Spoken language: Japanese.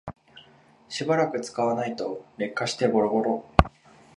しばらく使わないと劣化してボロボロ